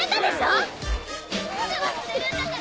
すぐ忘れるんだから！